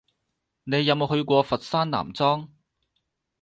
你有冇去過佛山南莊？